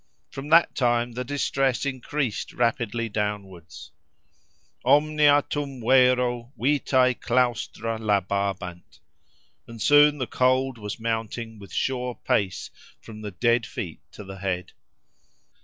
From that time the distress increased rapidly downwards. Omnia tum vero vitai claustra lababant;+ and soon the cold was mounting with sure pace from the dead feet to the head.